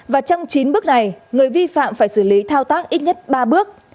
và trong chín bước này người vi phạm phải xử lý thao tác ít nhất ba bước